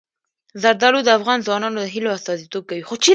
زردالو د افغان ځوانانو د هیلو استازیتوب کوي.